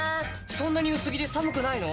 そんなに薄着で寒くないの？